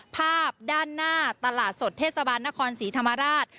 ภาพด้านหน้าตลาดสดเทศบาลนครศรีธรรมราช